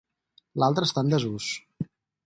L'altra està en desús.